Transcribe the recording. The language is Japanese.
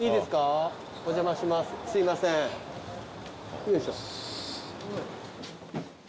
すいません。